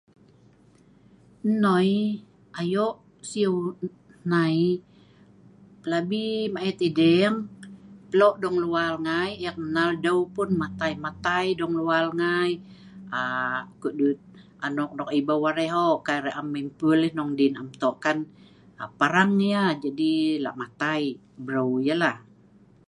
noi ayok siu hnai plabi maet edeng plok dong luar ngai ek nal deu pun matai matai dong luar ngai aa kudut anok nok ebeu arai hok kai arai am mei pul yeh hnung din am tok yeh kan aa parang yeh jadi lak matai breu yeh lah